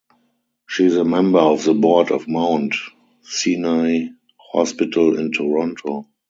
She is a member of the Board of Mount Sinai Hospital in Toronto.